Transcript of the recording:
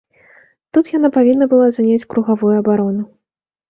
Тут яна павінна была заняць кругавую абарону.